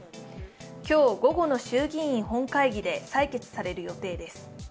今日午後の衆議院本会議で採決される予定です。